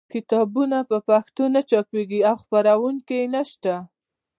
کتابونه په پښتو نه چاپېږي او خپرونکي یې نشته.